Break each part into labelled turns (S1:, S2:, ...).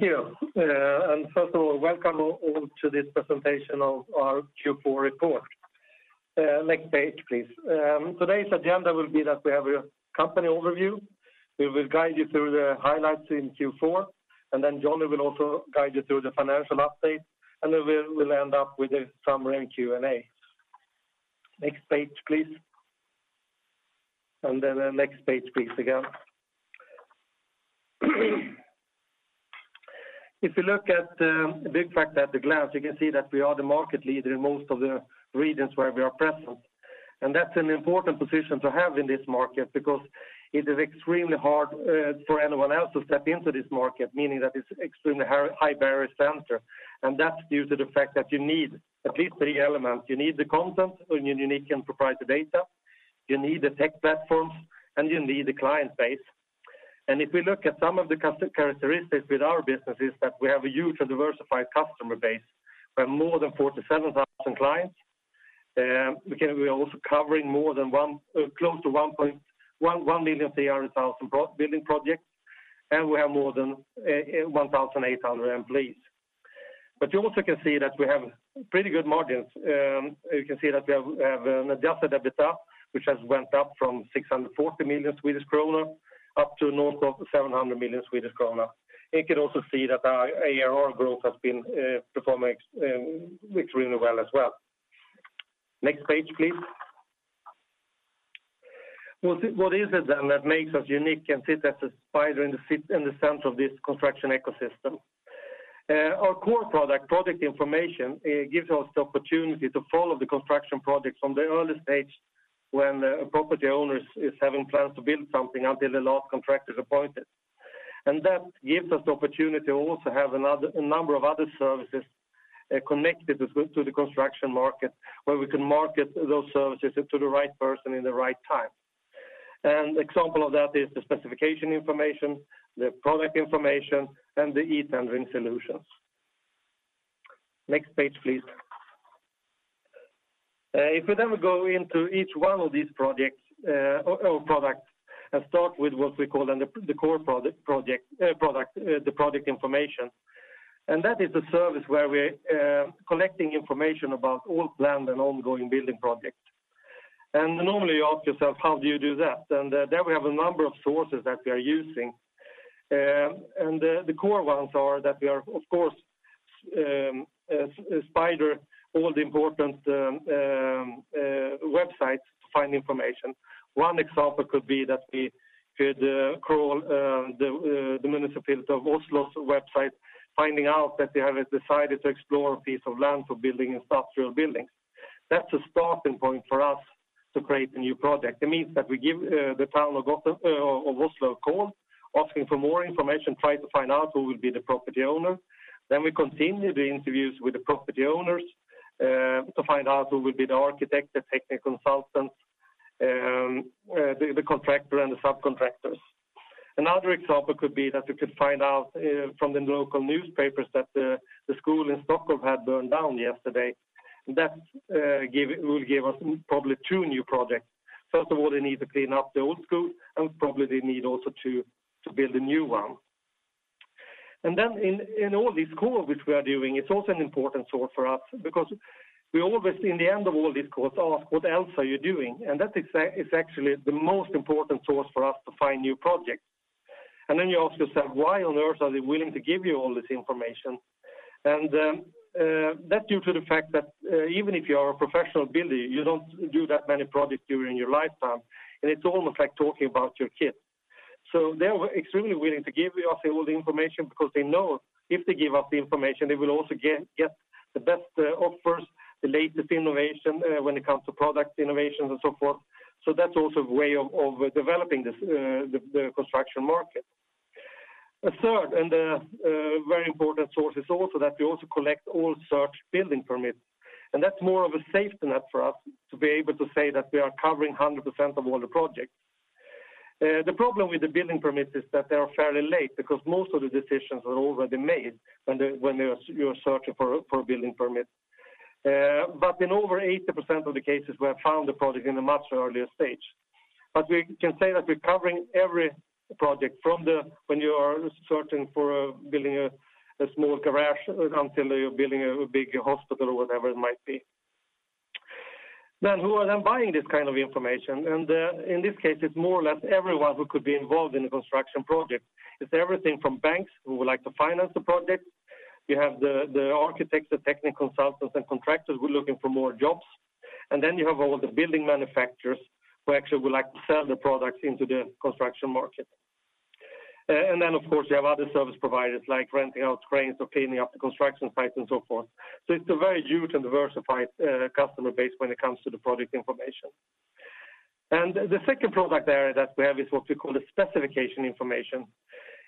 S1: Thank you. First of all, welcome all to this presentation of our Q4 report. Next page, please. Today's agenda will be that we have a company overview. We will guide you through the highlights in Q4, and then Johnny will also guide you through the financial update, and then we'll end up with a summary Q&A. Next page, please. The next page, please, again. If you look at the Byggfakta at a glance, you can see that we are the market leader in most of the regions where we are present. That's an important position to have in this market because it is extremely hard for anyone else to step into this market, meaning that it's extremely high barrier to entry. That's due to the fact that you need at least three elements. You need the content, and you need unique and proprietary data, you need the tech platforms, and you need the client base. If we look at some of the customer characteristics with our businesses, that we have a huge and diversified customer base. We have more than 47,000 clients. We are also covering close to 1.1 million construction projects, and we have more than 1,800 employees. You also can see that we have pretty good margins. You can see that we have an adjusted EBITDA, which has went up from 640 million Swedish krona up to north of 700 million Swedish krona. You can also see that our ARR growth has been performing extremely well as well. Next page, please. What is it then that makes us unique and sit as a spider in the center of this construction ecosystem? Our core product information gives us the opportunity to follow the construction projects from the early stage when the property owners is having plans to build something until the last contractor is appointed. That gives us the opportunity to also have a number of other services connected to the construction market, where we can market those services to the right person in the right time. An example of that is the specification information, the product information, and the e-tendering solutions. Next page, please. If we then go into each one of these projects or products, and start with what we call the core project product, the product information. That is the service where we're collecting information about all planned and ongoing building projects. Normally you ask yourself, how do you do that? There we have a number of sources that we are using. The core ones are that we are, of course, spider all the important websites to find information. One example could be that we could crawl the municipality of Oslo's website, finding out that they have decided to explore a piece of land for building industrial buildings. That's a starting point for us to create a new project. It means that we give the town of Oslo a call, asking for more information, try to find out who will be the property owner. We continue the interviews with the property owners to find out who will be the architect, the technical consultant, the contractor, and the subcontractors. Another example could be that we could find out from the local newspapers that the school in Stockholm had burned down yesterday. That will give us probably two new projects. First of all, they need to clean up the old school, and probably they need also to build a new one. In all these calls which we are doing, it's also an important source for us, because we always, in the end of all these calls, ask, "What else are you doing?" That is actually the most important source for us to find new projects. You ask yourself, why on earth are they willing to give you all this information? That's due to the fact that even if you are a professional builder, you don't do that many projects during your lifetime, and it's almost like talking about your kids. They were extremely willing to give us all the information because they know if they give us the information, they will also get the best offers, the latest innovation when it comes to product innovations and so forth. That's also a way of developing the construction market. A third and very important source is also that we also collect all such building permits. That's more of a safety net for us to be able to say that we are covering 100% of all the projects. The problem with the building permits is that they are fairly late because most of the decisions are already made when they are searching for building permits. In over 80% of the cases, we have found the project in a much earlier stage. We can say that we're covering every project from when you are searching for building a small garage until you're building a big hospital or whatever it might be. Who are buying this kind of information? In this case, it's more or less everyone who could be involved in a construction project. It's everything from banks who would like to finance the project. You have the architects, the technical consultants, and contractors who are looking for more jobs. Then you have all the building manufacturers who actually would like to sell their products into the construction market. Then of course, you have other service providers like renting out cranes or cleaning up the construction sites and so forth. It's a very huge and diversified customer base when it comes to the product information. The second product area that we have is what we call the specification information.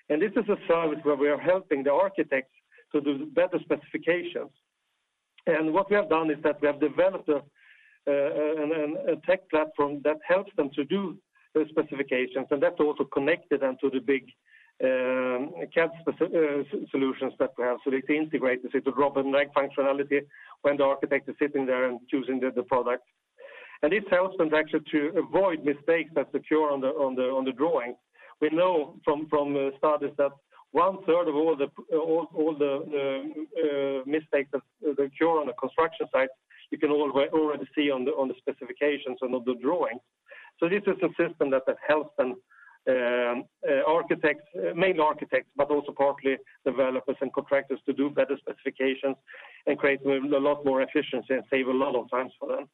S1: This is a service where we are helping the architects to do better specifications. What we have done is that we have developed a tech platform that helps them to do those specifications, and that also connected them to the big CAD solutions that we have. It integrates it with drag-and-drop functionality when the architect is sitting there and choosing the product. This helps them actually to avoid mistakes that occur on the drawing. We know from studies that one third of all the mistakes that occur on a construction site, you can already see on the specifications and on the drawings. This is a system that helps architects, mainly architects, but also partly developers and contractors to do better specifications and create a lot more efficiency and save a lot of time for them.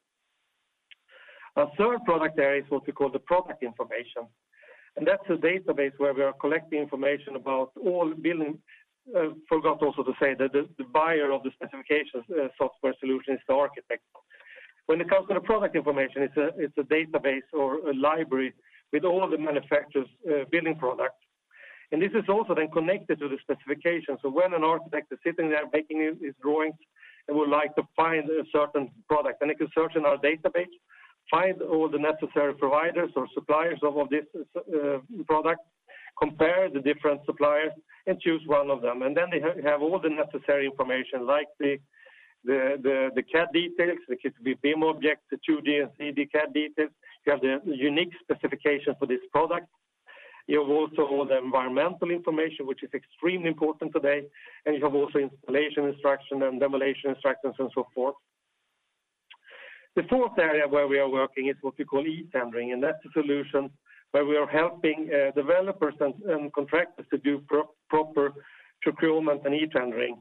S1: Our third product area is what we call the product information. That's a database where we are collecting information about all building, forgot also to say that the buyer of the specifications software solution is the architect. When it comes to the product information, it's a database or a library with all the manufacturers' building products. This is also then connected to the specifications. When an architect is sitting there making his drawings and would like to find a certain product, then he can search in our database, find all the necessary providers or suppliers of all this product, compare the different suppliers, and choose one of them. Then they have all the necessary information like the CAD details, the 2D BIM objects, the 2D and 3D CAD details. You have the unique specifications for this product. You have also all the environmental information, which is extremely important today, and you have also installation instructions and demolition instructions and so forth. The fourth area where we are working is what we call e-tendering, and that's a solution where we are helping developers and contractors to do proper procurement and e-tendering.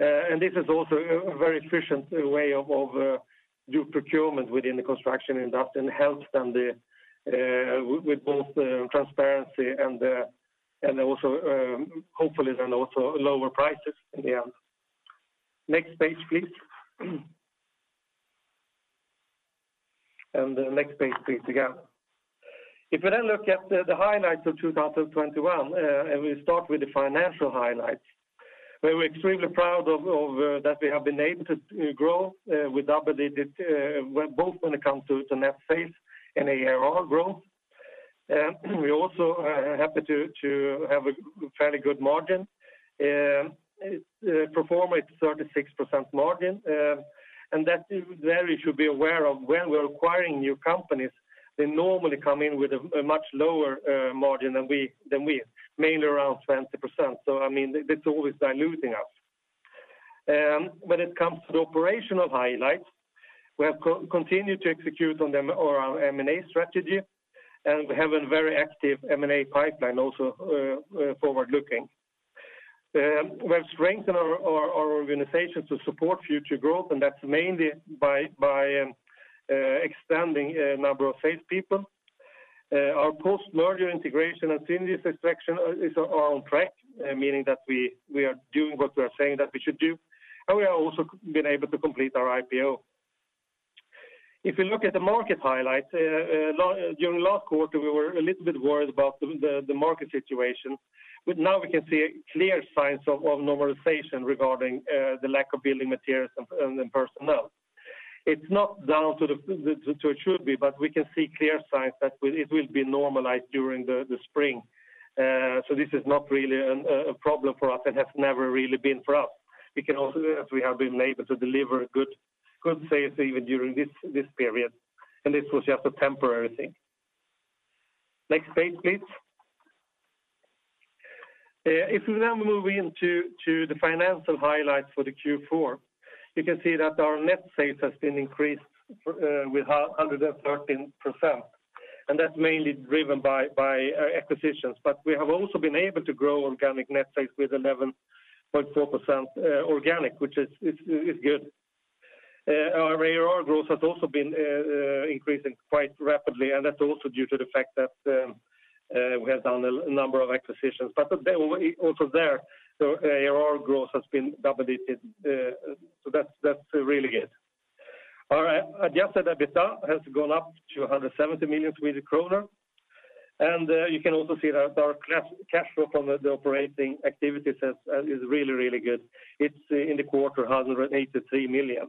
S1: This is also a very efficient way of doing procurement within the construction industry and helps them with both transparency and also hopefully then also lower prices in the end. Next page, please. Next page, please, again. If we look at the highlights of 2021 and we start with the financial highlights, we're extremely proud of that we have been able to grow with double-digit both when it comes to the net sales and ARR growth. We also are happy to have a fairly good margin. It performed at 36% margin, and that is something you should be aware of when we're acquiring new companies. They normally come in with a much lower margin than we, mainly around 20%. I mean, that's always diluting us. When it comes to the operational highlights, we have continued to execute on our M&A strategy, and we have a very active M&A pipeline also forward-looking. We have strengthened our organization to support future growth, and that's mainly by extending a number of sales people. Our post-merger integration and synergies extraction is on track, meaning that we are doing what we are saying that we should do. We have also been able to complete our IPO. If you look at the market highlights, during last quarter, we were a little bit worried about the market situation, but now we can see clear signs of normalization regarding the lack of building materials and personnel. It's not down to the level it should be, but we can see clear signs that it will be normalized during the spring. This is not really a problem for us and has never really been for us. We have been able to deliver good sales even during this period, and this was just a temporary thing. Next page, please. If we now move into the financial highlights for the Q4, you can see that our net sales has been increased with 113%, and that's mainly driven by acquisitions. We have also been able to grow organic net sales with 11.4% organic, which is good. Our ARR growth has also been increasing quite rapidly, and that's also due to the fact that we have done a number of acquisitions. ARR growth has been double-digit, so that's really good. Our adjusted EBITDA has gone up to 170 million Swedish kronor. You can also see that our cash flow from operating activities is really good. It's in the quarter 183 million.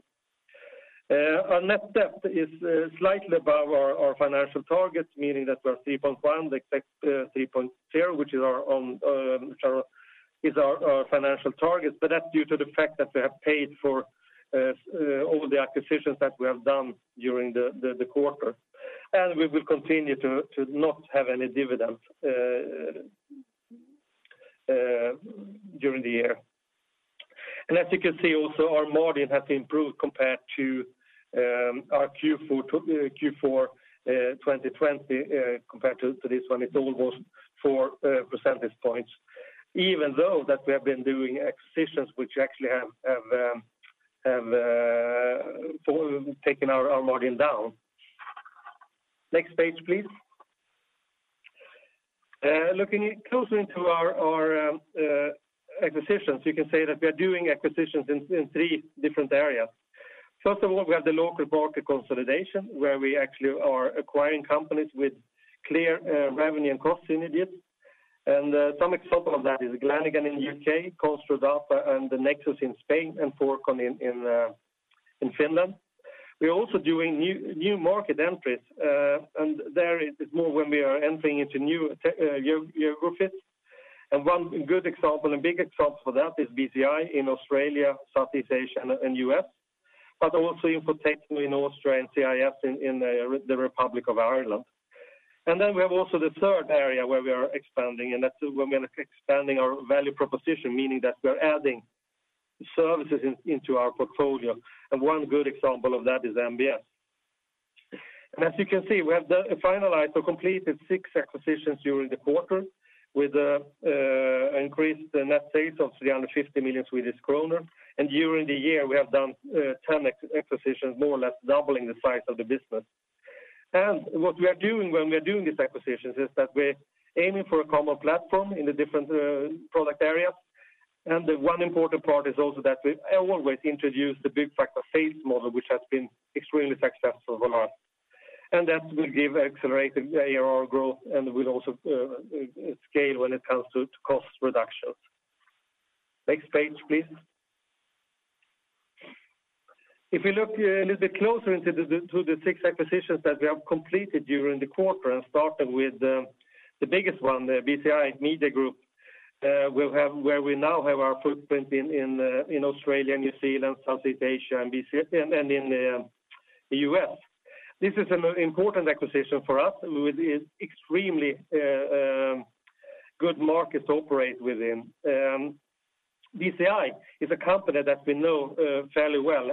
S1: Our net debt is slightly above our financial targets, meaning that we're 3.1, expected 3.0, which is our own sort of financial targets. That's due to the fact that we have paid for all the acquisitions that we have done during the quarter. We will continue to not have any dividends during the year. As you can see also, our margin has improved compared to our Q4 2020 compared to this one. It's almost four percentage points, even though we have been doing acquisitions which actually have taken our margin down. Next page, please. Looking closer into our acquisitions, you can say that we are doing acquisitions in three different areas. First of all, we have the local market consolidation, where we actually are acquiring companies with clear revenue and cost synergies. Some example of that is Glenigan in the U.K., Construdata21 and Nexus IT in Spain, and Forecon in Finland. We're also doing new market entries, and there is more when we are entering into new geographies. One good example and big example for that is BCI in Australia, Southeast Asia, and U.S., but also INFO-TECHNO in Austria and CIS in the Republic of Ireland. Then we have also the third area where we are expanding, and that's where we're expanding our value proposition, meaning that we're adding services into our portfolio, and one good example of that is NBS. As you can see, we have finalized or completed 6 acquisitions during the quarter with increased net sales of 350 million Swedish kronor. During the year, we have done 10 acquisitions, more or less doubling the size of the business. What we are doing when we're doing these acquisitions is that we're aiming for a common platform in the different product areas. The one important part is also that we always introduce the Byggfakta sales model, which has been extremely successful for us. That will give accelerated ARR growth and will also scale when it comes to cost reductions. Next page, please. If you look a little bit closer into the six acquisitions that we have completed during the quarter, and starting with the biggest one, the BCI Media Group, where we now have our footprint in Australia, New Zealand, Southeast Asia, and B.C., and in the U.S. This is an important acquisition for us with extremely good markets to operate within. BCI is a company that we know fairly well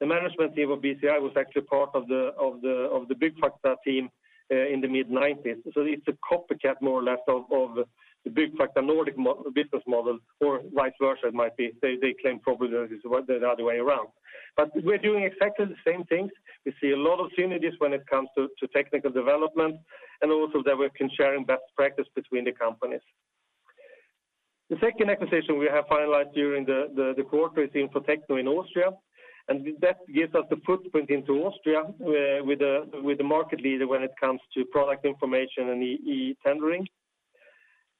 S1: as the management team of BCI was actually part of the Byggfakta team in the mid-'90s. It's a copycat more or less of the Byggfakta Nordic business model, or vice versa it might be. They claim probably the other way around. We're doing exactly the same things. We see a lot of synergies when it comes to technical development and also that we can share in best practice between the companies. The second acquisition we have finalized during the quarter is INFO-TECHNO in Austria, and that gives us a footprint into Austria with a market leader when it comes to product information and e-tendering.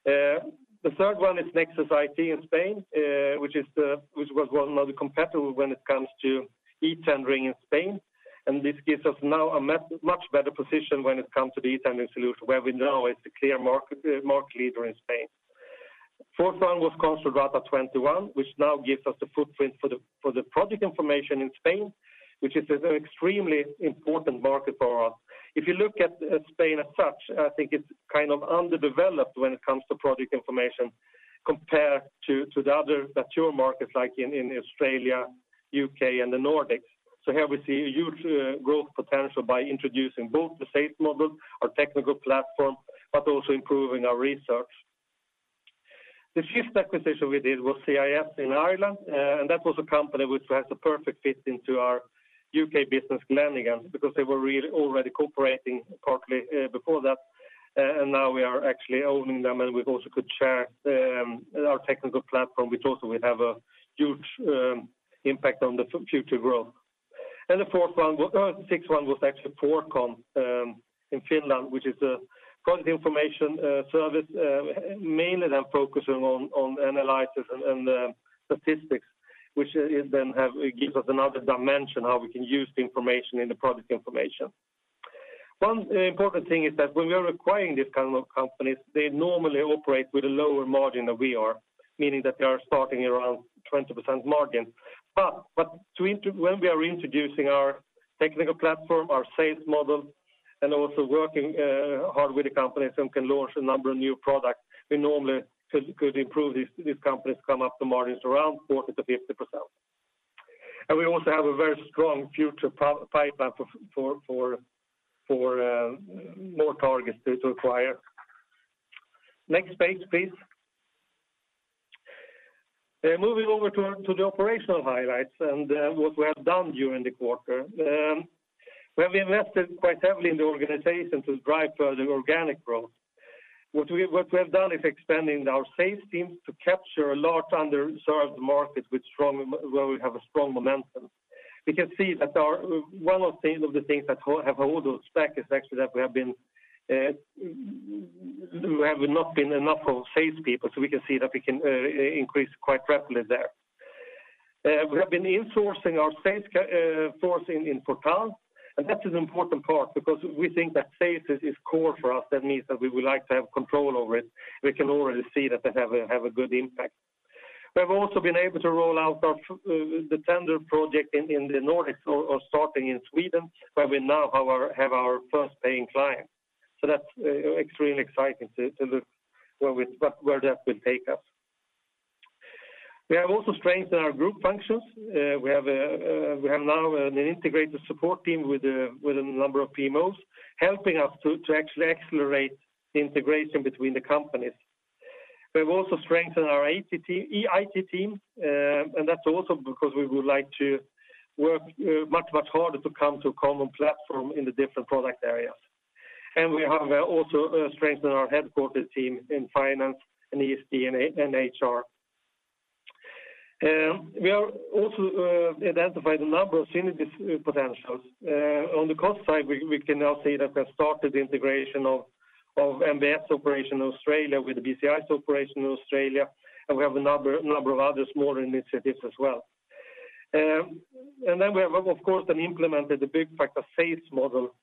S1: The third one is Nexus IT in Spain, which was one of the competitor when it comes to e-tendering in Spain. This gives us now a much better position when it comes to the e-tendering solution, where we now is the clear market leader in Spain. Fourth one was Construdata21, which now gives us a footprint for the project information in Spain, which is an extremely important market for us. If you look at Spain as such, I think it's kind of underdeveloped when it comes to project information compared to the other mature markets like in Australia, U.K., and the Nordics. Here we see a huge growth potential by introducing both the sales model, our technical platform, but also improving our research. The fifth acquisition we did was CIS in Ireland, and that was a company which has the perfect fit into our UK business, Glenigan, because they were really already cooperating partly before that. Now we are actually owning them, and we also could share our technical platform, which also will have a huge impact on the future growth. The fourth one, sixth one was actually Forecon in Finland, which is a project information service mainly focusing on analysis and statistics, which it gives us another dimension how we can use the information in the project information. One important thing is that when we are acquiring these kind of companies, they normally operate with a lower margin than we are, meaning that they are starting around 20% margin. When we are introducing our technical platform, our sales model, and also working hard with the companies and can launch a number of new products, we normally could improve these companies to come up to margins around 40%-50%. We also have a very strong future product pipeline for more targets to acquire. Next page, please. Moving over to the operational highlights and what we have done during the quarter. We have invested quite heavily in the organization to drive further organic growth. What we have done is expanding our sales teams to capture a large underserved market with strong momentum. We can see that one of the things that have held us back is actually that we have not been enough of salespeople, so we can see that we can increase quite rapidly there. We have been insourcing our sales force in Vortal, and that is an important part because we think that sales is core for us. That means that we would like to have control over it. We can already see that they have a good impact. We have also been able to roll out the tender project in the Nordics, starting in Sweden, where we now have our first paying client. That's extremely exciting to look where that will take us. We have also strengthened our group functions. We have now an integrated support team with a number of PMOs helping us to actually accelerate the integration between the companies. We've also strengthened our IT team, and that's also because we would like to work much harder to come to a common platform in the different product areas. We have also strengthened our headquarters team in finance and ESG and HR. We have also identified a number of synergy potentials. On the cost side, we can now say that we have started the integration of MBS operations in Australia with the BCI's operations in Australia, and we have a number of other smaller initiatives as well. We have of course implemented the Byggfakta sales model,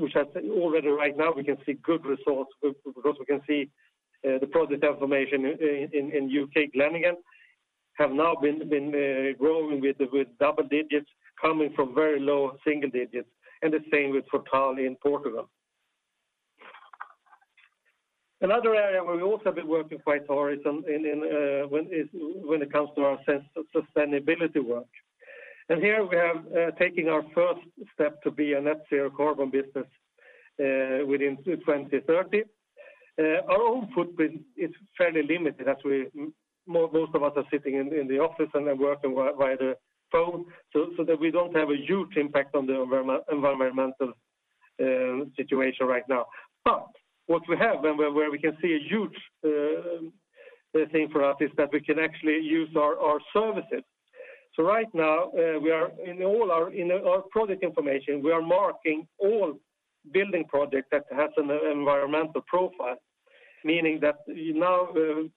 S1: which has already right now we can see good results because we can see the project information in U.K., Glenigan, have now been growing with double digits coming from very low single digits, and the same with Vortal in Portugal. Another area where we've also been working quite hard is when it comes to our sustainability work. Here we have taken our first step to be a net zero carbon business within 2030. Our own footprint is fairly limited as most of us are sitting in the office and then working via the phone that we don't have a huge impact on the environmental situation right now. What we have and where we can see a huge thing for us is that we can actually use our services. Right now, we are in all our product information, we are marking all building projects that has an environmental profile, meaning that now,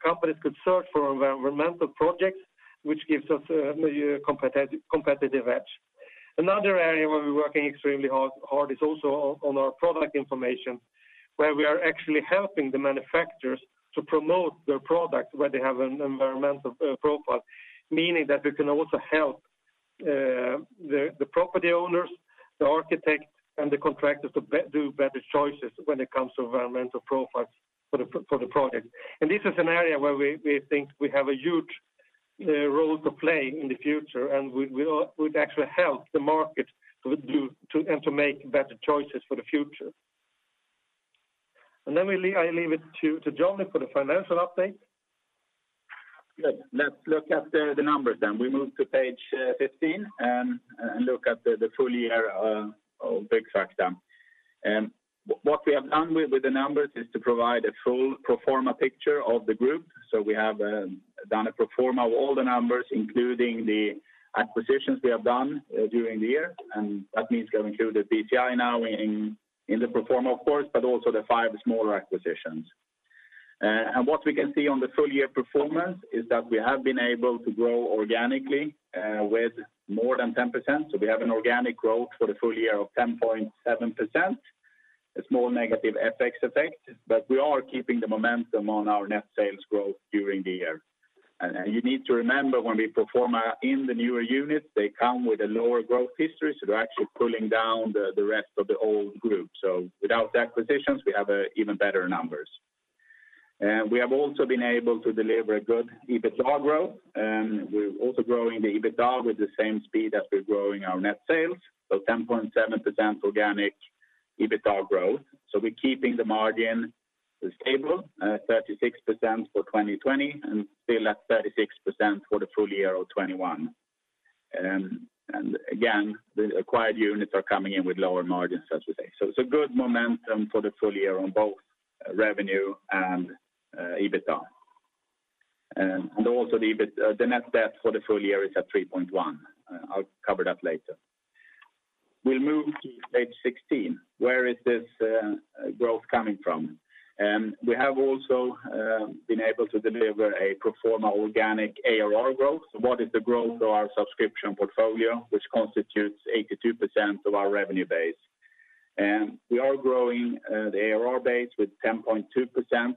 S1: companies could search for environmental projects, which gives us a competitive edge. Another area where we're working extremely hard is also on our product information, where we are actually helping the manufacturers to promote their products where they have an environmental profile, meaning that we can also help the property owners, the architects, and the contractors to do better choices when it comes to environmental profiles for the project. This is an area where we think we have a huge role to play in the future, and we'd actually help the market to do and to make better choices for the future. Then I leave it to Johnny for the financial update.
S2: Good. Let's look at the numbers then. We move to page 15 and look at the full year of Byggfakta. What we have done with the numbers is to provide a full pro forma picture of the group. We have done a pro forma of all the numbers, including the acquisitions we have done during the year. That means going through the BCI now in the pro forma, of course, but also the five smaller acquisitions. What we can see on the full year performance is that we have been able to grow organically with more than 10%. We have an organic growth for the full year of 10.7%. A small negative FX effect, but we are keeping the momentum on our net sales growth during the year. You need to remember when we pro forma in the newer units, they come with a lower growth history, so they're actually pulling down the rest of the old group. Without the acquisitions, we have even better numbers. We have also been able to deliver a good EBITDA growth. We're also growing the EBITDA with the same speed as we're growing our net sales, so 10.7% organic EBITDA growth. We're keeping the margin stable, 36% for 2020, and still at 36% for the full year of 2021. Again, the acquired units are coming in with lower margins, as we say. Good momentum for the full year on both revenue and EBITDA. The net debt for the full year is at 3.1. I'll cover that later. We'll move to page 16. Where is this growth coming from? We have also been able to deliver a pro forma organic ARR growth. What is the growth of our subscription portfolio, which constitutes 82% of our revenue base? We are growing the ARR base with 10.2%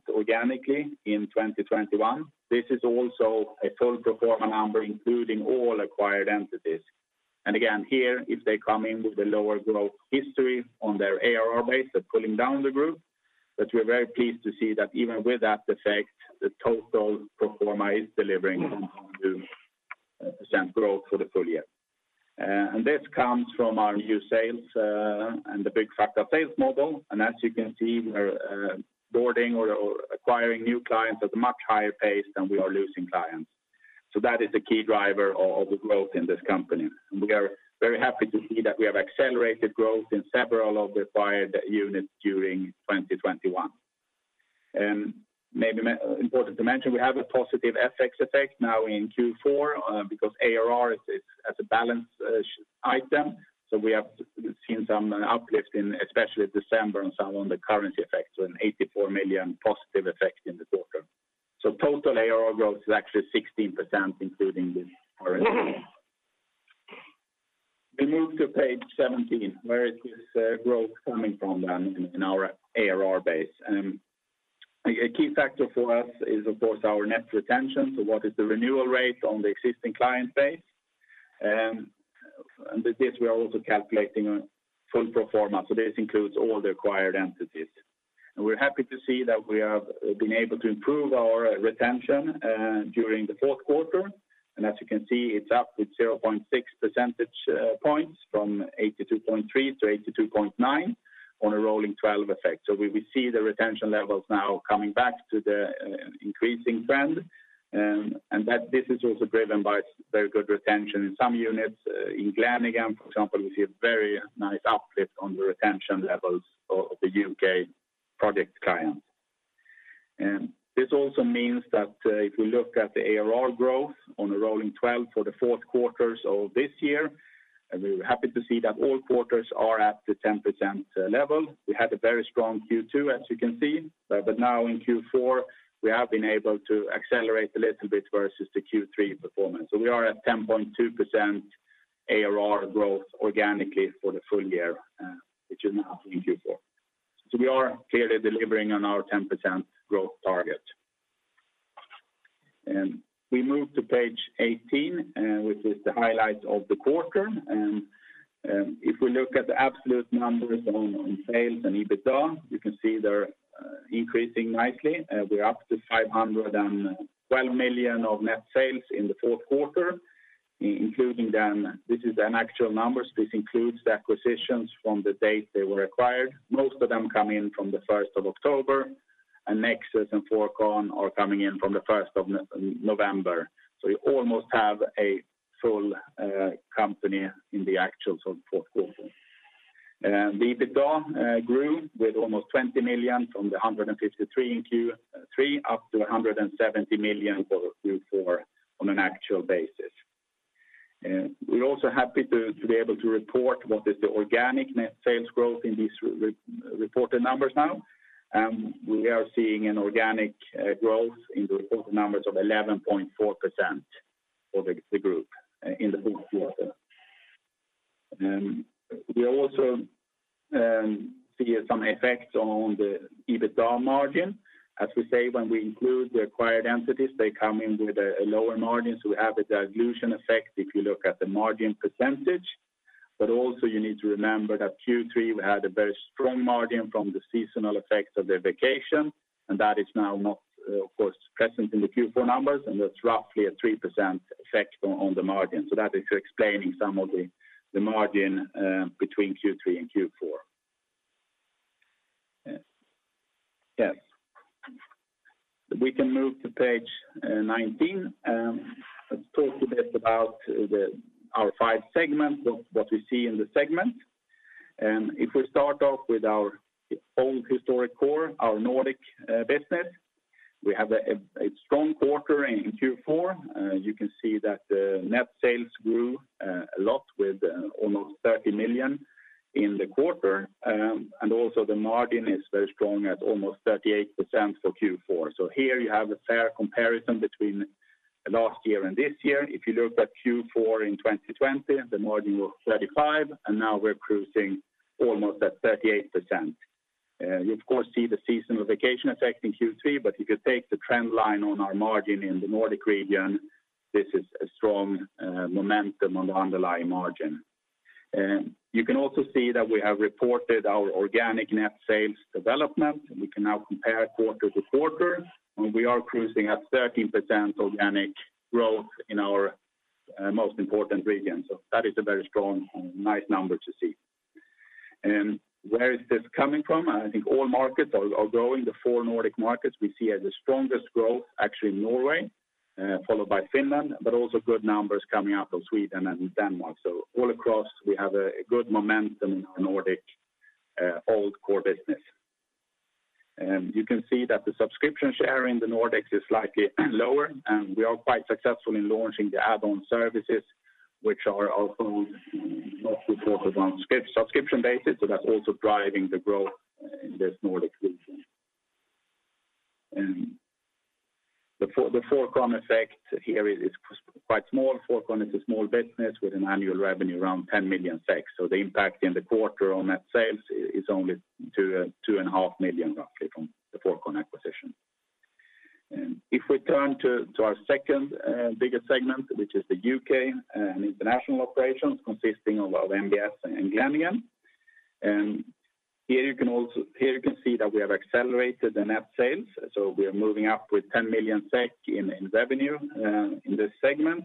S2: organically in 2021. This is also a full pro forma number, including all acquired entities. Again, here, if they come in with a lower growth history on their ARR base, they're pulling down the group. We're very pleased to see that even with that effect, the total pro forma is delivering 10.2% growth for the full year. This comes from our new sales and the Byggfakta sales model. As you can see, we're onboarding or acquiring new clients at a much higher pace than we are losing clients. That is the key driver of the growth in this company. We are very happy to see that we have accelerated growth in several of the acquired units during 2021. Maybe important to mention, we have a positive FX effect now in Q4, because ARR is as a balance sheet item. We have seen some uplift in especially December and some on the currency effects, so a 84 million positive effect in the quarter. Total ARR growth is actually 16%, including the currency. We move to page 17. Where is this growth coming from then in our ARR base? A key factor for us is of course our net retention. What is the renewal rate on the existing client base? With this, we are also calculating a full pro forma. This includes all the acquired entities. We're happy to see that we have been able to improve our retention during the Q4. As you can see, it's up 0.6 percentage points from 82.3%-82.9% on a rolling twelve effect. We see the retention levels now coming back to the increasing trend. That this is also driven by very good retention in some units. In Glenigan, for example, we see a very nice uplift on the retention levels of the UK product clients. This also means that if we look at the ARR growth on a rolling twelve for the Q4's of this year. We're happy to see that all quarters are at the 10% level. We had a very strong Q2, as you can see. Now in Q4, we have been able to accelerate a little bit versus the Q3 performance. We are at 10.2% ARR growth organically for the full year, which is now in Q4. We are clearly delivering on our 10% growth target. We move to page 18, which is the highlights of the quarter. If we look at the absolute numbers on sales and EBITDA, you can see they're increasing nicely. We're up to 512 million of net sales in the Q4. This is actual numbers. This includes the acquisitions from the date they were acquired. Most of them come in from the first of October, and Nexus and Forecon are coming in from the first of November. We almost have a full company in the actual Q4. The EBITDA grew with almost 20 million from 153 in Q3 up to 170 million for Q4 on an actual basis. We're also happy to be able to report what is the organic net sales growth in these re-reported numbers now. We are seeing an organic growth in the reported numbers of 11.4% for the group in the Q4. We also see some effects on the EBITDA margin. As we say, when we include the acquired entities, they come in with lower margins. We have a dilution effect if you look at the margin percentage. You need to remember that Q3, we had a very strong margin from the seasonal effects of the vacation, and that is now not, of course, present in the Q4 numbers, and that's roughly a 3% effect on the margin. That is explaining some of the margin between Q3 and Q4. Yes. We can move to page 19. Let's talk a bit about our five segments, what we see in the segment. If we start off with our own historic core, our Nordic business, we have a strong quarter in Q4. You can see that the net sales grew a lot with almost 30 million in the quarter. Also the margin is very strong at almost 38% for Q4. Here you have a fair comparison between last year and this year. If you look at Q4 in 2020, the margin was 35, and now we're cruising almost at 38%. You of course see the seasonal vacation effect in Q3. If you take the trend line on our margin in the Nordic region, this is a strong momentum on the underlying margin. You can also see that we have reported our organic net sales development. We can now compare quarter-quarter, and we are cruising at 13% organic growth in our most important region. That is a very strong, nice number to see. Where is this coming from? I think all markets are growing. The four Nordic markets we see as the strongest growth, actually Norway, followed by Finland, but also good numbers coming out of Sweden and Denmark. All across, we have a good momentum in our Nordic old core business. You can see that the subscription share in the Nordics is slightly lower, and we are quite successful in launching the add-on services, which are also not reported on subscription basis. That's also driving the growth in this Nordic region. The Forecon effect here is quite small. Forecon is a small business with an annual revenue around 10 million. The impact in the quarter on net sales is only 2.5 million roughly from the Forecon acquisition. If we turn to our second biggest segment, which is the UK and international operations consisting of MBS and Glenigan. Here you can see that we have accelerated the net sales, so we are moving up with 10 million SEK in revenue in this segment.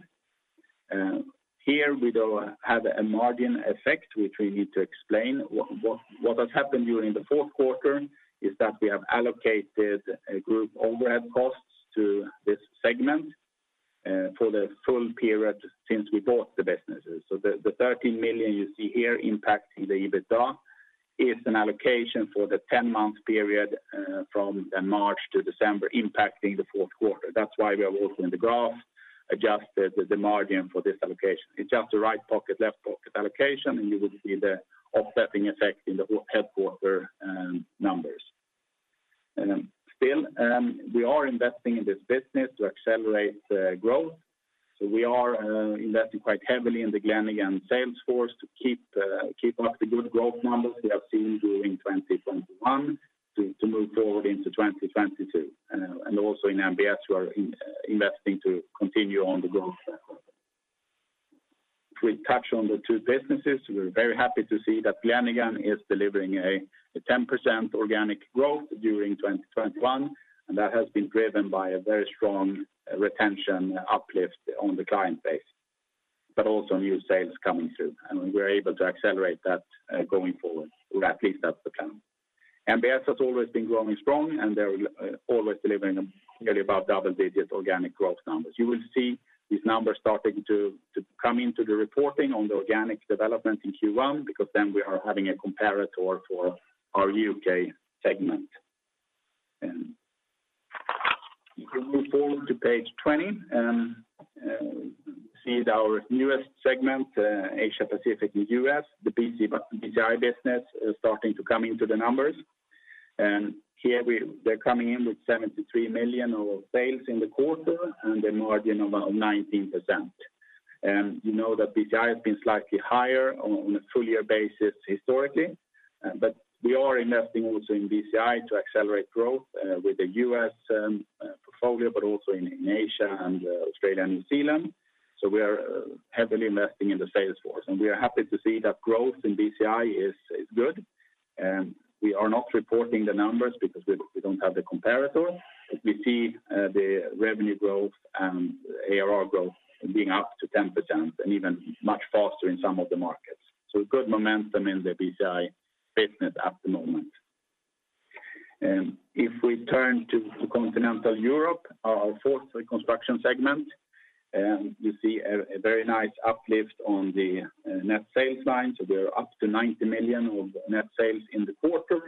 S2: Here we do have a margin effect, which we need to explain. What has happened during the Q4 is that we have allocated a group overhead costs to this segment for the full period since we bought the businesses. So the thirteen million you see here impacting the EBITDA is an allocation for the 10-month period from March to December impacting the Q4. That's why we have also in the graph adjusted the margin for this allocation. It's just a right pocket, left pocket allocation, and you would see the offsetting effect in the headquarters numbers. Still, we are investing in this business to accelerate the growth. We are investing quite heavily in the Glenigan sales force to keep up the good growth numbers we have seen during 2021 to move forward into 2022. Also in MBS, we are investing to continue on the growth. If we touch on the two businesses, we're very happy to see that Glenigan is delivering a 10% organic growth during 2021, and that has been driven by a very strong retention uplift on the client base, but also new sales coming through. We're able to accelerate that going forward, or at least that's the plan. MBS has always been growing strong, and they're always delivering really about double-digit organic growth numbers. You will see these numbers starting to come into the reporting on the organic development in Q1, because then we are having a comparator for our UK segment. If we move forward to page 20, we see our newest segment, Asia-Pacific and U.S., the BCI business is starting to come into the numbers. Here we're coming in with 73 million of sales in the quarter, and a margin of about 19%. You know that BCI has been slightly higher on a full-year basis historically. But we are investing also in BCI to accelerate growth with the U.S. portfolio, but also in Asia and Australia and New Zealand. We are heavily investing in the sales force. We are happy to see that growth in BCI is good. We are not reporting the numbers because we don't have the comparator. We see the revenue growth and ARR growth being up to 10%, and even much faster in some of the markets. Good momentum in the BCI business at the moment. If we turn to Continental Europe, our fourth construction segment, you see a very nice uplift on the net sales line. We're up to 90 million of net sales in the quarter,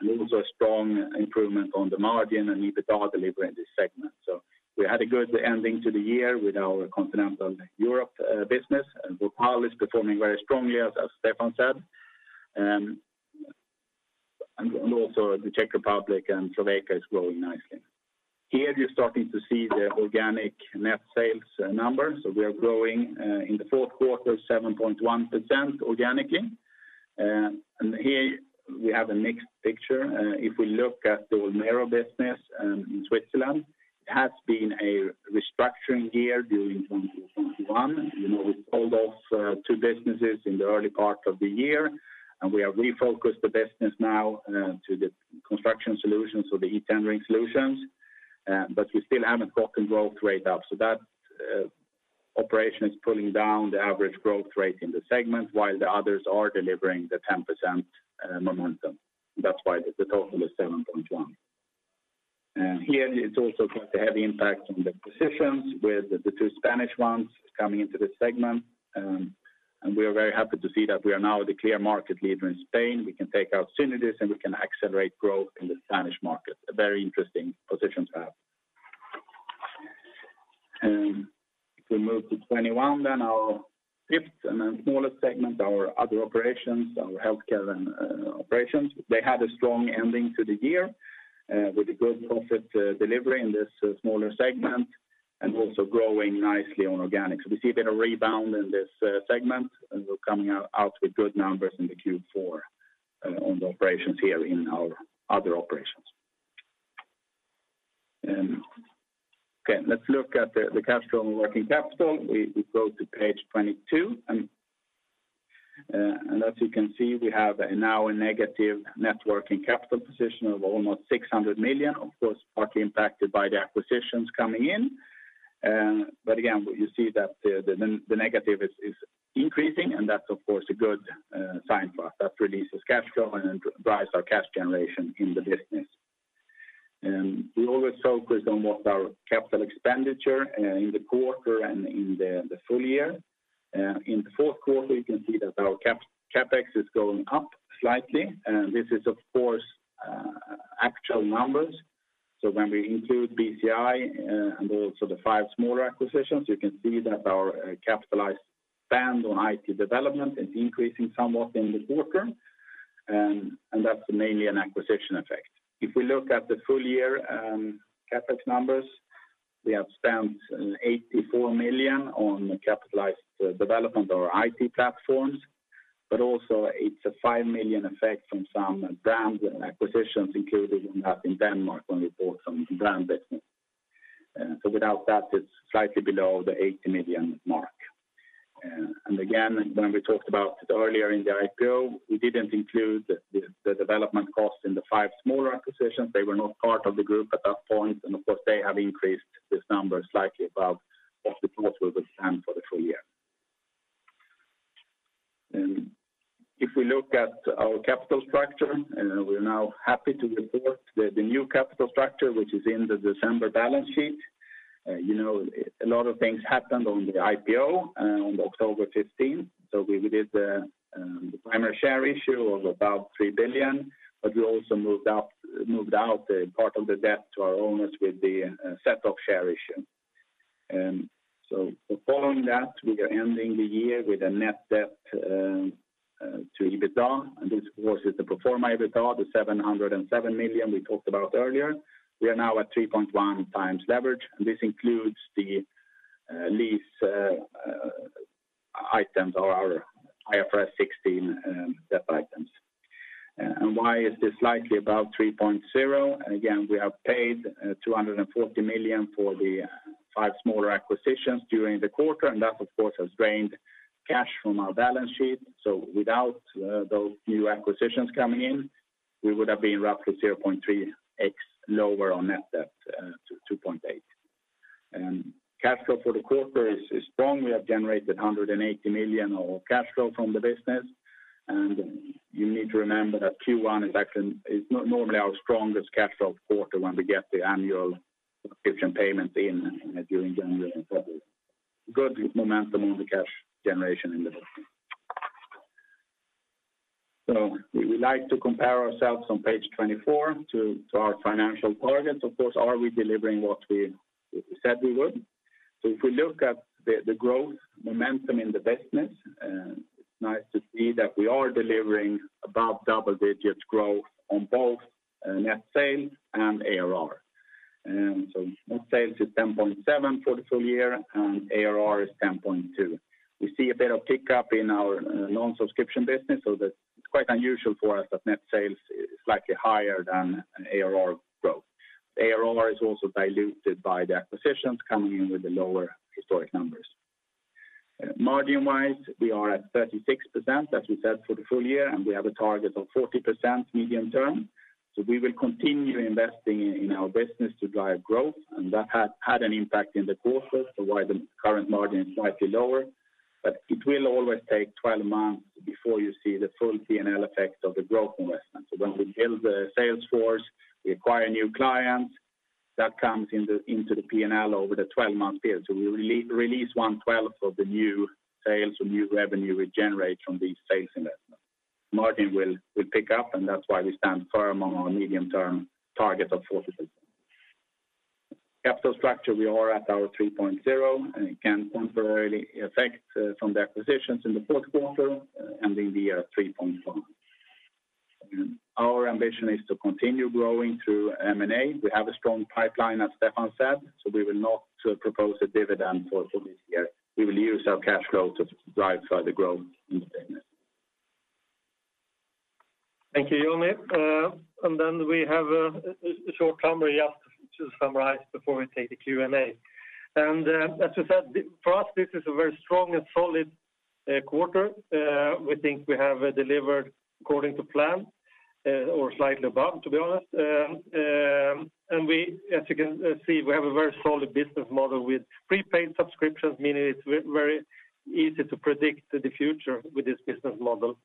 S2: and also a strong improvement on the margin and EBITDA delivery in this segment. We had a good ending to the year with our Continental Europe business. Vortal is performing very strongly, as Stefan said. Also the Czech Republic and Slovakia is growing nicely. Here, you're starting to see the organic net sales numbers. We are growing in the Q4 7.1% organically. Here we have a mixed picture. If we look at the Olmero business in Switzerland, it has been a restructuring year during 2021. You know, we sold off two businesses in the early part of the year, and we have refocused the business now to the construction solutions, so the eTendering solutions. We still haven't gotten growth rate up. That operation is pulling down the average growth rate in the segment while the others are delivering the 10% momentum. That's why the total is 7.1. Here it's also quite a heavy impact on the positions with the two Spanish ones coming into the segment. We are very happy to see that we are now the clear market leader in Spain. We can take out synergies, and we can accelerate growth in the Spanish market. A very interesting position to have. If we move to 2021, then our fifth and then smallest segment, our other operations, our healthcare and operations. They had a strong ending to the year with a good profit delivery in this smaller segment, and also growing nicely on organics. We see a bit of rebound in this segment, and we're coming out with good numbers in the Q4 on the operations here in our other operations. Okay, let's look at the cash flow and working capital. We go to page 22. As you can see, we have now a negative net working capital position of almost 600 million, of course, partly impacted by the acquisitions coming in. Again, you see that the negative is increasing, and that's of course a good sign for us. That releases cash flow and drives our cash generation in the business. We always focus on what our capital expenditure in the quarter and in the full year. In the Q4, you can see that our CapEx is going up slightly. This is of course actual numbers. So when we include BCI and also the 5 smaller acquisitions, you can see that our capitalized spend on IT development is increasing somewhat in the quarter. That's mainly an acquisition effect. If we look at the full year, CapEx numbers, we have spent 84 million on capitalized development or IT platforms, but also it's a 5 million effect from some brand acquisitions included in that in Denmark when we bought some brand business. Without that, it's slightly below the 80 million mark. Again, when we talked about earlier in the IPO, we didn't include the development costs in the five smaller acquisitions. They were not part of the group at that point, and of course, they have increased this number slightly above what we thought we would spend for the full year. If we look at our capital structure, we're now happy to report the new capital structure, which is in the December balance sheet. You know, a lot of things happened on the IPO, on October fifteenth. We did the primary share issue of about 3 billion, but we also moved out part of the debt to our owners with the net of share issue. Following that, we are ending the year with a net debt to EBITDA, and this, of course, is the pro forma EBITDA, the 707 million we talked about earlier. We are now at 3.1x leverage, and this includes the lease items or our IFRS 16 debt items. Why is this slightly above 3.0? Again, we have paid 240 million for the five smaller acquisitions during the quarter, and that of course has drained cash from our balance sheet. Without those new acquisitions coming in, we would have been roughly 0.3x lower on net debt to 2.8. Cash flow for the quarter is strong. We have generated 180 million of cash flow from the business. You need to remember that Q1 is actually normally our strongest cash flow quarter when we get the annual subscription payments in during January and February. Good momentum on the cash generation in the business. We like to compare ourselves on page 24 to our financial targets. Of course, are we delivering what we said we would? If we look at the growth momentum in the business, it's nice to see that we are delivering above double digits growth on both net sales and ARR. Net sales is 10.7 for the full year, and ARR is 10.2. We see a bit of pickup in our non-subscription business, so that's quite unusual for us that net sales is slightly higher than ARR growth. ARR is also diluted by the acquisitions coming in with the lower historic numbers. Margin-wise, we are at 36%, as we said, for the full year, and we have a target of 40% medium term. We will continue investing in our business to drive growth, and that has had an impact in the quarter, so why the current margin is slightly lower. It will always take 12 months before you see the full P&L effect of the growth investment. When we build the sales force, we acquire new clients, that comes into the P&L over the 12-month period. We reinvest one twelfth of the new sales or new revenue we generate from these sales investments. Margin will pick up, and that's why we stand firm on our medium-term target of 40%. Capital structure, we are at our 3.0, and it can temporarily be affected by the acquisitions in the Q4, ending the year at 3.1. Our ambition is to continue growing through M&A. We have a strong pipeline, as Stefan said, so we will not propose a dividend for this year. We will use our cash flow to drive further growth in the business.
S1: Thank you, Johnny. We have a short summary just to summarize before we take the Q&A. As we said, for us, this is a very strong and solid quarter. We think we have delivered according to plan, or slightly above, to be honest. We, as you can see, we have a very solid business model with prepaid subscriptions, meaning it's very easy to predict the future with this business model.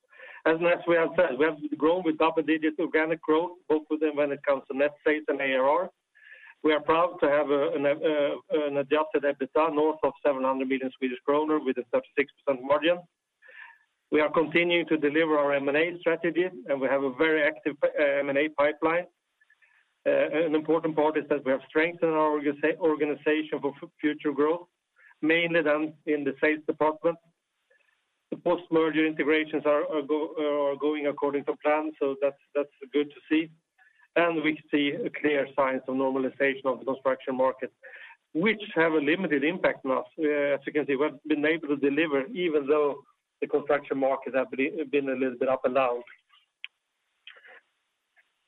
S1: As we have said, we have grown with double-digit organic growth, both of them when it comes to net sales and ARR. We are proud to have an adjusted EBITDA north of 700 million Swedish kronor with a 36% margin. We are continuing to deliver our M&A strategy, and we have a very active M&A pipeline. An important part is that we have strengthened our organization for future growth, mainly then in the sales department. The post-merger integrations are going according to plan, so that's good to see. We see a clear sign of normalization of the construction market, which have a limited impact on us. As you can see, we've been able to deliver even though the construction market have been a little bit up and down.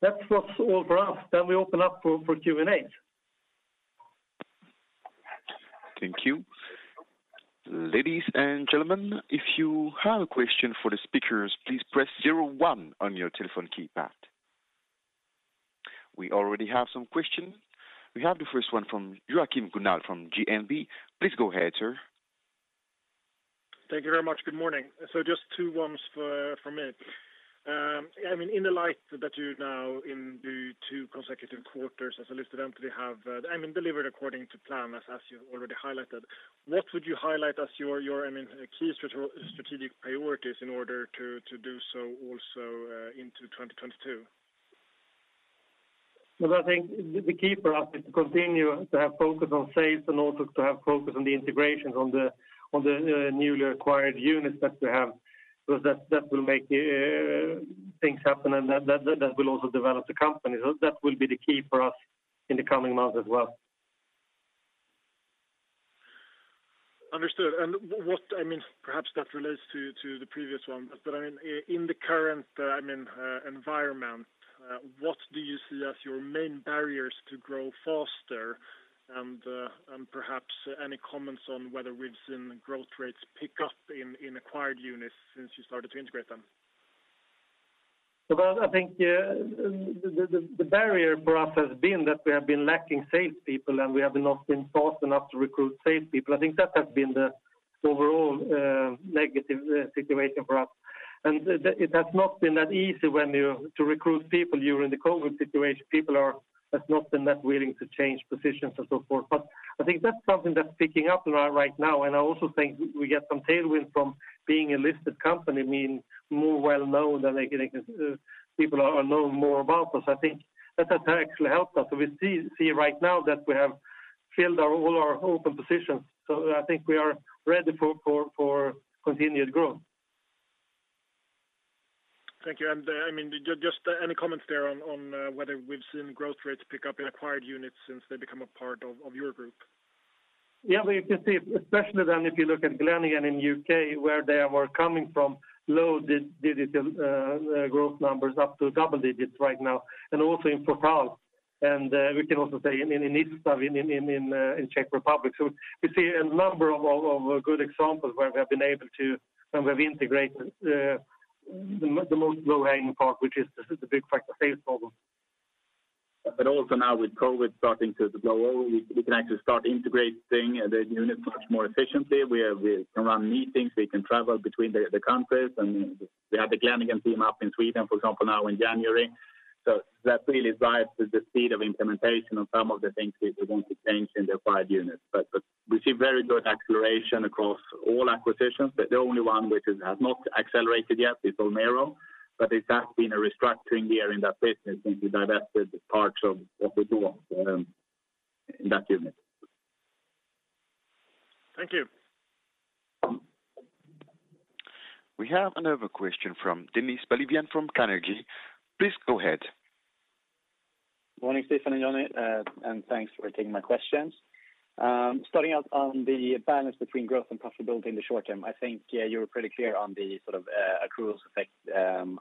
S1: That was all for us. We open up for Q&A.
S3: Thank you. Ladies and gentlemen, if you have a question for the speakers, please press zero one on your telephone keypad. We already have some questions. We have the first one from Joachim Gunell from DNB. Please go ahead, sir.
S4: Thank you very much. Good morning. Just two questions from me. I mean, in light of the fact that you've now had two consecutive quarters as a listed entity have delivered according to plan, as you've already highlighted, what would you highlight as your I mean, key strategic priorities in order to do so also into 2022?
S1: Well, I think the key for us is to continue to have focus on sales and also to have focus on the integrations on the newly acquired units that we have. That will make things happen and that will also develop the company. That will be the key for us in the coming months as well.
S4: Understood. What, I mean, perhaps that relates to the previous one, but I mean, in the current, I mean, environment, what do you see as your main barriers to grow faster? Perhaps any comments on whether we've seen growth rates pick up in acquired units since you started to integrate them?
S1: Well, I think the barrier for us has been that we have been lacking sales people, and we have not been fast enough to recruit sales people. I think that has been the overall negative situation for us. It has not been that easy to recruit people during the COVID situation. People has not been that willing to change positions and so forth. I think that's something that's picking up right now, and I also think we get some tailwind from being a listed company, meaning more well-known and, like, people know more about us. I think that has actually helped us. We see right now that we have filled all our open positions. I think we are ready for continued growth.
S4: Thank you. I mean, just any comments there on whether we've seen growth rates pick up in acquired units since they become a part of your group?
S1: Yeah, we can see, especially then if you look at Glenigan in U.K., where they were coming from low single-digit growth numbers up to double digits right now, and also in Forecon. We can also say in Istav in Czech Republic. We see a number of good examples where we have been able to, when we've integrated the most low-hanging fruit, which is the Byggfakta sales problem.
S2: But also now with COVID starting to blow over, we can actually start integrating the units much more efficiently. We can run meetings, we can travel between the countries, and we had the Glenigan team up in Sweden, for example, now in January. That really drives the speed of implementation on some of the things we want to change in the acquired units. We see very good acceleration across all acquisitions, but the only one which has not accelerated yet is Olmero. It has been a restructuring year in that business, and we divested parts of the core in that unit.
S1: Thank you.
S3: We have another question from Dennis Bali from Carnegie. Please go ahead.
S5: Morning, Stefan and Johnny, and thanks for taking my questions. Starting out on the balance between growth and profitability in the short term, I think, yeah, you were pretty clear on the sort of accruals effect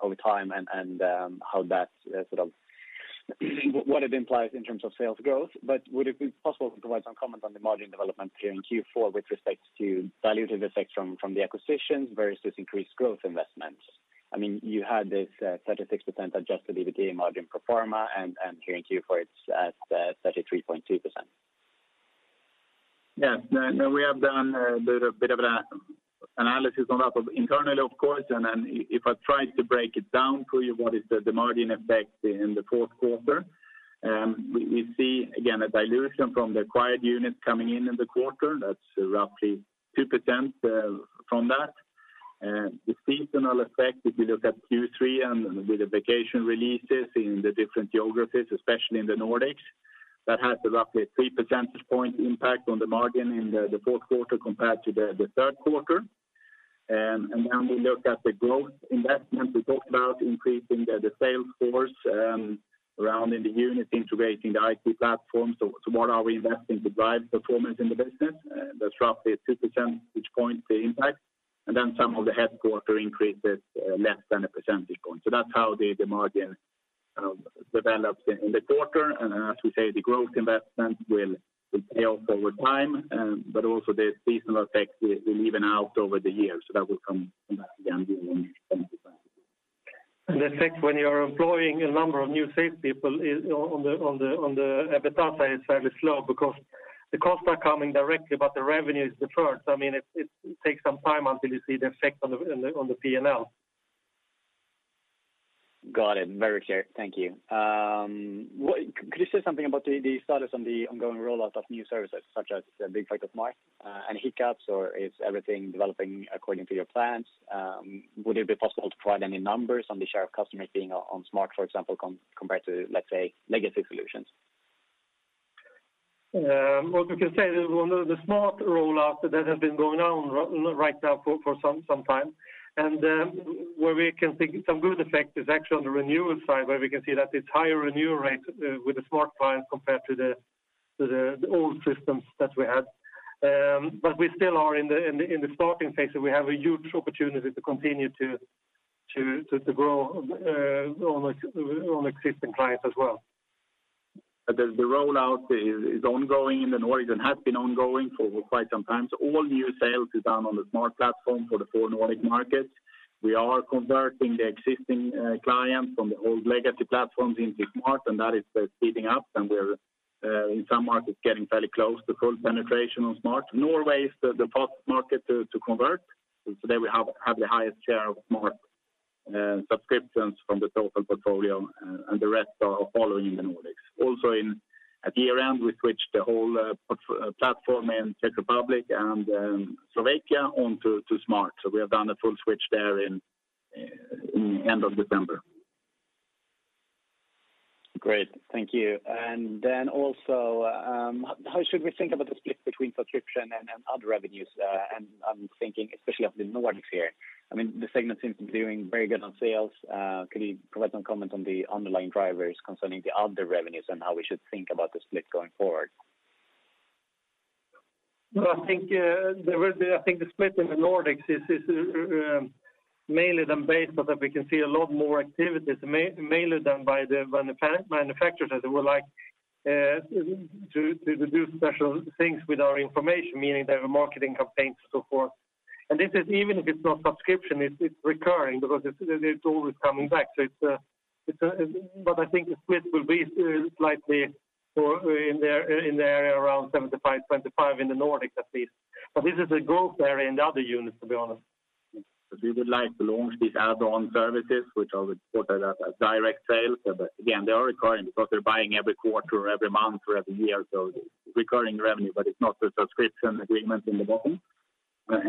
S5: over time and how that sort of what it implies in terms of sales growth. Would it be possible to provide some comment on the margin development here in Q4 with respect to dilutive effect from the acquisitions versus increased growth investments? I mean, you had this 36% adjusted EBITDA margin pro forma, and here in Q4, it's at 33.2%.
S2: Yeah. No, we have done a bit of a analysis on that, but internally of course. If I try to break it down for you, what is the margin effect in the Q4? We see again a dilution from the acquired units coming in in the quarter. That's roughly 2%, from that. The seasonal effect, if you look at Q3 and with the vacation releases in the different geographies, especially in the Nordics, that has a roughly three percentage point impact on the margin in the Q4 compared to the Q3. Then we look at the growth investment. We talked about increasing the sales force around in the unit, integrating the IT platform. So what are we investing to drive performance in the business? That's roughly a two percentage point impact. Then some of the headquarters increases, less than a percentage point. That's how the margin develops in the quarter. As we say, the growth investment will pay off over time. Also the seasonal effect will even out over the years. That will come back again in 2025.
S1: The effect when you are employing a number of new sales people is on the EBITDA side is fairly slow because the costs are coming directly, but the revenue is deferred. I mean, it takes some time until you see the effect on the P&L.
S5: Got it. Very clear. Thank you. Could you say something about the status on the ongoing rollout of new services such as Byggfakta SMART? Any hiccups or is everything developing according to your plans? Would it be possible to provide any numbers on the share of customers being on Byggfakta SMART, for example, compared to, let's say, legacy solutions?
S1: What we can say is on the SMART rollout that has been going on right now for some time, and where we can see some good effect is actually on the renewal side, where we can see that it's higher renewal rate with the SMART clients compared to the old systems that we had. We still are in the starting phase, so we have a huge opportunity to continue to grow on existing clients as well.
S2: The rollout is ongoing in the Nordics and has been ongoing for quite some time. All new sales is done on the Smart platform for the four Nordic markets. We are converting the existing clients from the old legacy platforms into Smart, and that is speeding up, and we're in some markets getting fairly close to full penetration on Smart. Norway is the first market to convert. There we have the highest share of Smart subscriptions from the total portfolio, and the rest are following the Nordics. Also at year-end, we switched the whole platform in Czech Republic and Slovakia onto Smart. We have done a full switch there in end of December.
S5: Great. Thank you. Also, how should we think about the split between subscription and other revenues? I'm thinking especially of the Nordics here. I mean, the segment seems to be doing very good on sales. Could you provide some comment on the underlying drivers concerning the other revenues and how we should think about the split going forward?
S1: No, I think the split in the Nordics is mainly then based on that we can see a lot more activities, mainly done by the manufacturers, as they would like to do special things with our information, meaning their marketing campaigns and so forth. This is even if it's not subscription, it's recurring because it's always coming back. It's, but I think the split will be slightly more in the area around 75-25 in the Nordics at least. This is a growth area in the other units, to be honest.
S2: We would like to launch these add-on services, which I would put as a direct sale. Again, they are recurring because they're buying every quarter or every month or every year. Recurring revenue, but it's not a subscription agreement at the moment.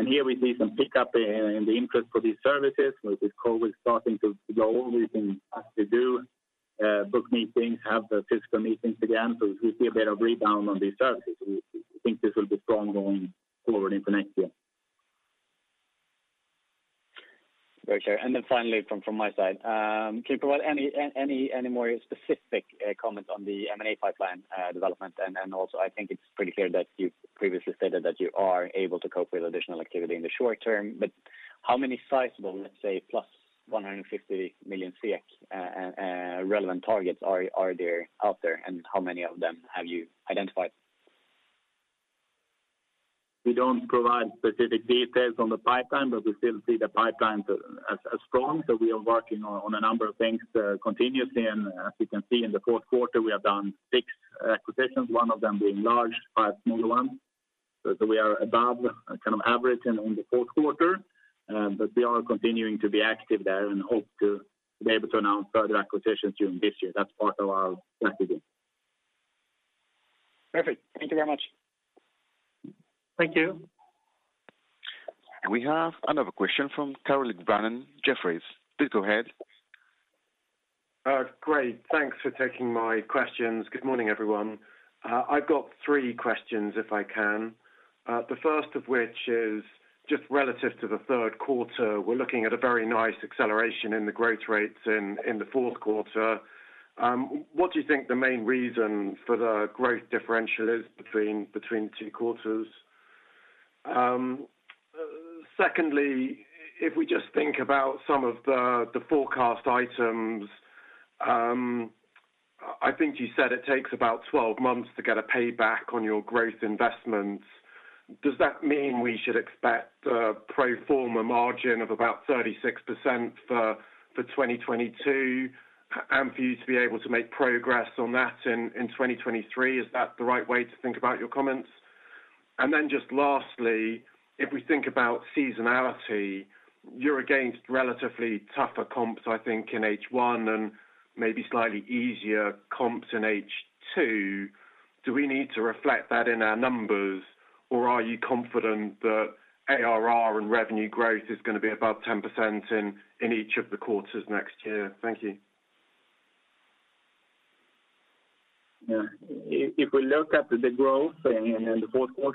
S2: Here we see some pickup in the interest for these services. With this COVID starting to go, we can actually do book meetings, have the physical meetings again. We see a bit of rebound on these services. We think this will be strong going forward into next year.
S5: Very clear. Finally from my side, can you provide any more specific comments on the M&A pipeline development? I think it's pretty clear that you previously stated that you are able to cope with additional activity in the short term. How many sizable, let's say, plus 150 million SEK, relevant targets are there out there, and how many of them have you identified?
S2: We don't provide specific details on the pipeline, but we still see the pipeline as strong. We are working on a number of things continuously. As you can see in the Q4, we have done acquisitions, one of them being large, five small ones. We are above kind of average and on the Q4, but we are continuing to be active there and hope to be able to announce further acquisitions during this year. That's part of our strategy.
S1: Perfect. Thank you very much.
S2: Thank you.
S3: We have another question from Caroline Brønner, Jefferies. Please go ahead.
S6: Great. Thanks for taking my questions. Good morning, everyone. I've got three questions, if I can. The first of which is just relative to the Q We're looking at a very nice acceleration in the growth rates in the Q4. What do you think the main reason for the growth differential is between the two quarters? Secondly, if we just think about some of the forecast items, I think you said it takes about 12 months to get a payback on your growth investments. Does that mean we should expect a pro forma margin of about 36% for 2022, and for you to be able to make progress on that in 2023? Is that the right way to think about your comments? Just lastly, if we think about seasonality, you're against relatively tougher comps, I think, in H1 and maybe slightly easier comps in H2. Do we need to reflect that in our numbers? Or are you confident that ARR and revenue growth is gonna be above 10% in each of the quarters next year? Thank you.
S2: Yeah. If we look at the growth in the,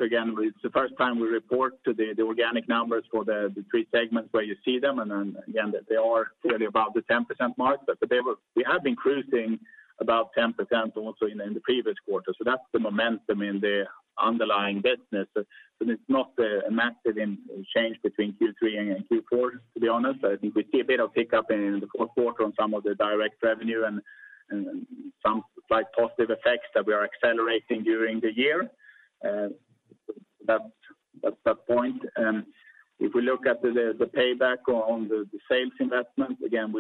S2: again, it's the first time we report the organic numbers for the three segments where you see them. Again, they are really above the 10% mark. They were. We have been cruising above 10% also in the previous quarter. That's the momentum in the underlying business. It's not a massive change between Q3 and Q4, to be honest. I think we see a bit of pickup in the Q4 on some of the direct revenue and some slight positive effects that we are accelerating during the year. That's that point. If we look at the payback on the sales investment, again,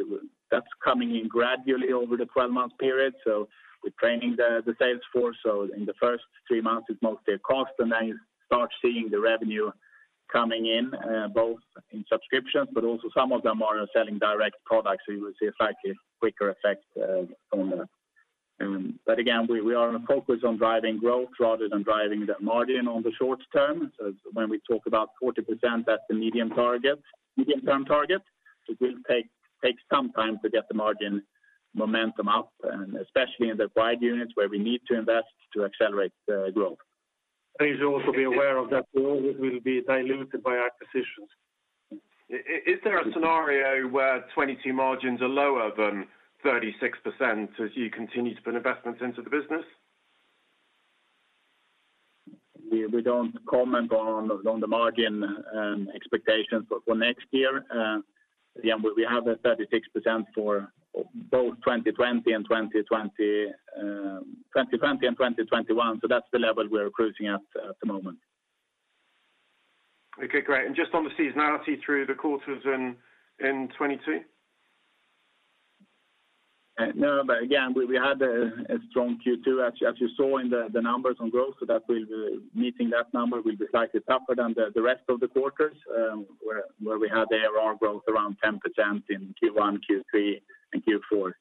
S2: that's coming in gradually over the 12-month period. We're training the sales force. In the first three months, it's mostly a cost, and then you start seeing the revenue coming in, both in subscriptions, but also some of them are selling direct products, so you will see a slightly quicker effect. But again, we are focused on driving growth rather than driving the margin on the short term. When we talk about 40%, that's the medium target, medium-term target. It will take some time to get the margin momentum up, and especially in the wide units where we need to invest to accelerate the growth.
S1: Please also be aware of that will be diluted by acquisitions.
S6: Is there a scenario where 2022 margins are lower than 36% as you continue to put investments into the business?
S2: We don't comment on the margin expectations for next year. Again, we have a 36% for both 2020 and 2021, so that's the level we're cruising at the moment.
S6: Okay, great. Just on the seasonality through the quarters in 2022?
S2: No, but again, we had a strong Q2, as you saw in the numbers on growth. Meeting that number will be slightly tougher than the rest of the quarters, where we had ARR growth around 10% in Q1, Q3, and Q4.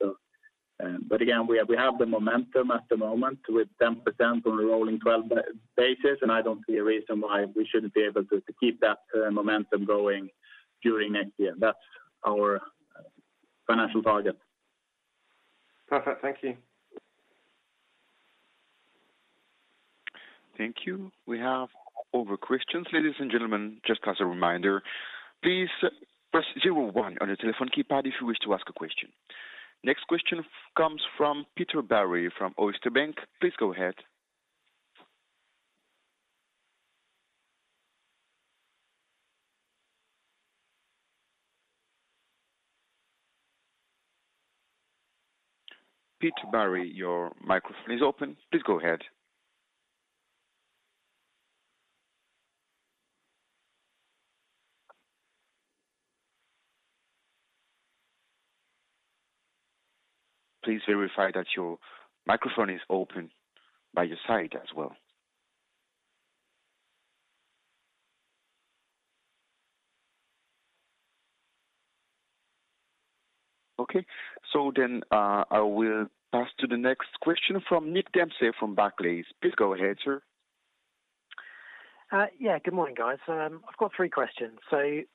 S2: Again, we have the momentum at the moment with 10% on a rolling 12 basis, and I don't see a reason why we shouldn't be able to keep that momentum going during next year. That's our financial target.
S6: Perfect. Thank you.
S3: Thank you. We have other questions. Ladies and gentlemen, just as a reminder, please press star one on your telephone keypad if you wish to ask a question. Next question comes from Peter Barry from Oyster Bank. Please go ahead. Peter Barry, your microphone is open. Please go ahead. Please verify that your microphone is open by your side as well. Okay. I will pass to the next question from Nick Dempsey from Barclays. Please go ahead, sir.
S7: Good morning, guys. I've got three questions.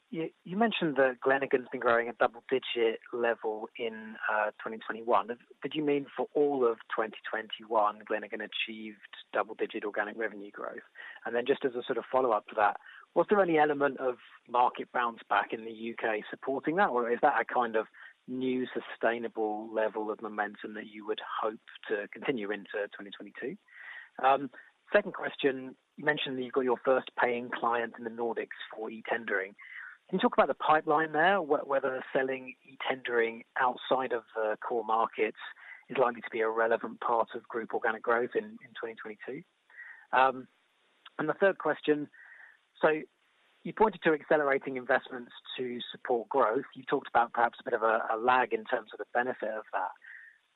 S7: You mentioned that Glenigan's been growing at double-digit level in 2021. Did you mean for all of 2021, Glenigan achieved double-digit organic revenue growth? And then just as a sort of follow-up to that, was there any element of market bounce back in the U.K. supporting that? Or is that a kind of new sustainable level of momentum that you would hope to continue into 2022? Second question, you mentioned that you've got your first paying client in the Nordics for e-tendering. Can you talk about the pipeline there, whether selling e-tendering outside of the core markets is likely to be a relevant part of group organic growth in 2022? And the third question, You pointed to accelerating investments to support growth. You talked about perhaps a bit of a lag in terms of the benefit of that.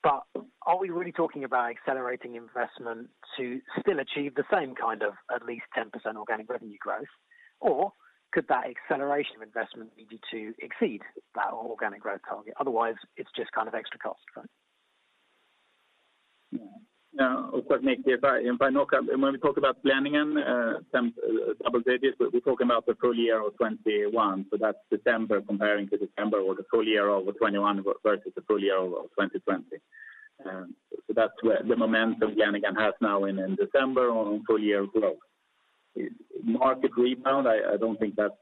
S7: Are we really talking about accelerating investment to still achieve the same kind of at least 10% organic revenue growth? Or could that acceleration of investment lead you to exceed that organic growth target? Otherwise, it's just kind of extra cost, right?
S2: No. Of course, Nick, if I look up when we talk about Glenigan, some double digits, we're talking about the full year of 2021, so that's December comparing to December or the full year of 2021 versus the full year of 2020. That's where the momentum Glenigan has now in December on full year growth. Market rebound, I don't think that's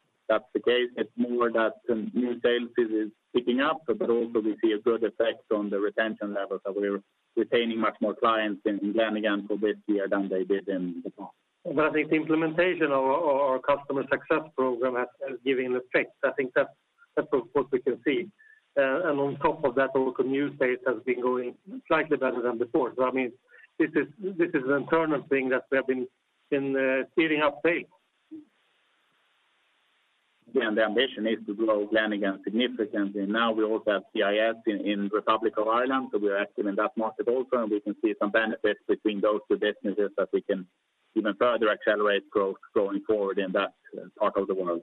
S2: the case. It's more that some new sales is picking up, but also we see a good effect on the retention levels that we're retaining much more clients in Glenigan for this year than they did in before.
S1: I think the implementation of our customer success program has given effect. I think that's, of course, we can see. On top of that, all the new sales has been going slightly better than before. I mean, this is an internal thing that we have been speeding up pace.
S2: Yeah, the ambition is to grow Glenigan significantly. Now we also have CIS in Republic of Ireland, so we are active in that market also, and we can see some benefits between those two businesses that we can even further accelerate growth going forward in that part of the world.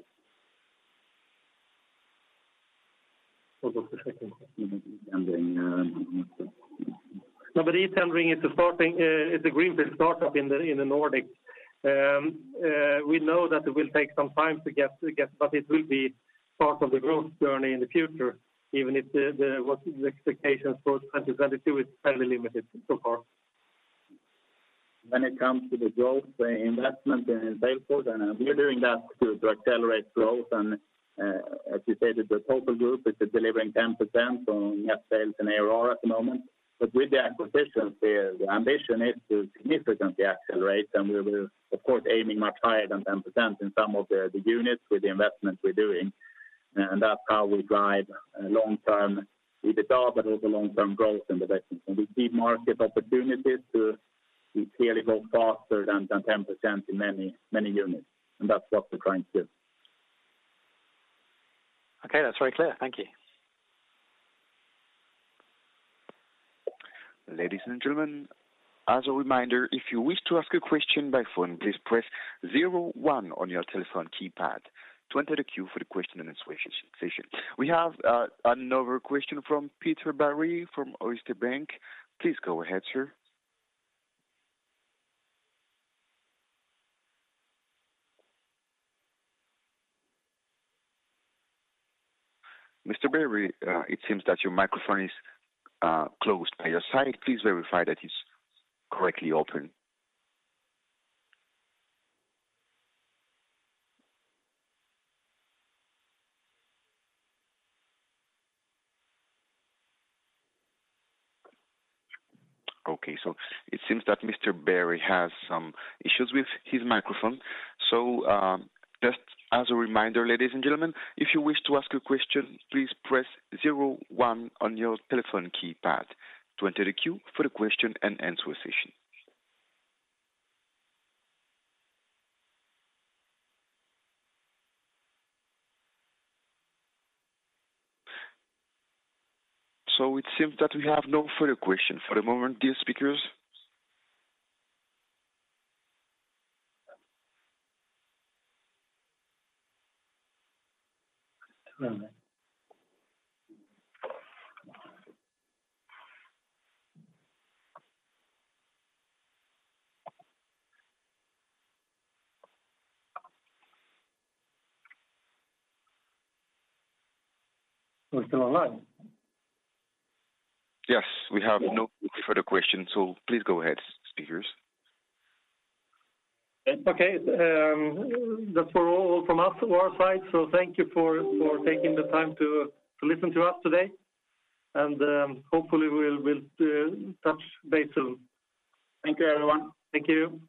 S1: No, eTendering is a greenfield startup in the Nordics. We know that it will take some time to get, but it will be part of the growth journey in the future, even if what the expectations for 2022 is fairly limited so far.
S2: When it comes to the growth investment in Salesforce, and we are doing that to accelerate growth. As you said, the total group is delivering 10% on net sales and ARR at the moment. With the acquisitions, the ambition is to significantly accelerate, and we will of course aiming much higher than 10% in some of the units with the investment we're doing. That's how we drive long-term. We develop but also long-term growth in the business. We see market opportunities to clearly grow faster than 10% in many units. That's what we're trying to do.
S7: Okay. That's very clear. Thank you.
S3: Ladies and gentlemen, as a reminder, if you wish to ask a question by phone, please press zero one on your telephone keypad to enter the queue for the question and answer session. We have another question from Peter Barry from Oyster Bank. Please go ahead, sir. Mr. Barry, it seems that your microphone is closed by your side. Please verify that it's correctly open. Okay. It seems that Mr. Barry has some issues with his microphone. Just as a reminder, ladies and gentlemen, if you wish to ask a question, please press zero one on your telephone keypad to enter the queue for the question-and-answer session. It seems that we have no further questions for the moment, dear speakers.
S1: We're still online.
S3: Yes, we have no further questions, so please go ahead, speakers.
S1: Okay. That's all from us on our side. Thank you for taking the time to listen to us today. Hopefully we'll touch base soon.
S2: Thank you, everyone.
S1: Thank you.